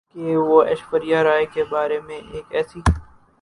کہ وہ ایشوریا رائے کے بارے میں ایک ایسی